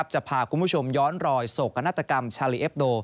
จะพาคุณผู้ชมย้อนรอยโศกนาฏกรรมชาลีเอ็บโด